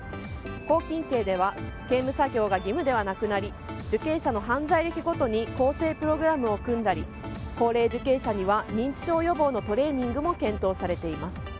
拘禁刑では刑務作業が義務ではなくなり受刑者の犯罪歴ごとに更生プログラムを組んだり高齢受刑者には認知症予防のトレーニングも検討されています。